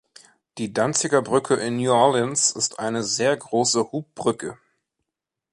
Die Danziger Brücke in New Orleans ist eine sehr große Hubbrücke.